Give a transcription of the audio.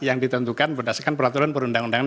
yang ditentukan berdasarkan peraturan perundang undangan